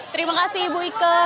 terima kasih ibu ike